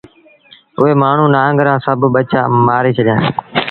اُئي مآڻهوٚٚݩ نآݩگ رآ سڀ ٻچآ مآري ڇڏيآݩدي